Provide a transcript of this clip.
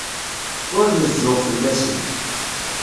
Ur rezzuɣ fell-asen.